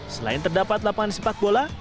selain terdapat lapangan sepak bola